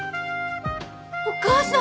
お母さん！